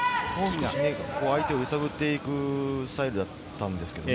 相手を揺さぶって行くスタイルだったんですけどね。